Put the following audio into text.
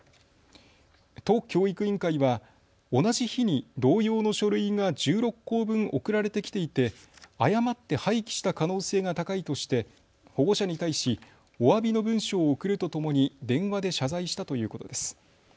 都教育委員会は同じ日に同様の書類が１６校分送られてきていて誤って廃棄した可能性が高いとして保護者に対しおわびの文書を送るとともに電話で謝罪したということです。